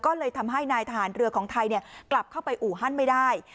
ก็เลยทำให้นายทหารเรือของไทยกลับเข้าไปอู่ฮั่นไม่ได้